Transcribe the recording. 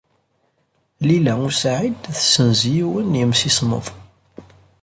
Lila u Saɛid tessenz yiwen n yemsismeḍ.